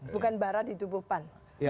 bukan bara di tubuh pan